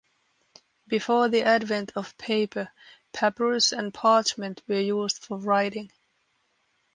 Before the advent of paper, papyrus and parchment were used for writing.